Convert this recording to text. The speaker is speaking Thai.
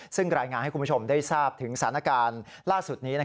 ซึ่งรายงานให้คุณผู้ชมได้ทราบถึงสถานการณ์ล่าสุดนี้